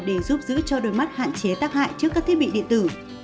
để giúp giữ cho đôi mắt hạn chế tác hại trước các thiết bị điện tử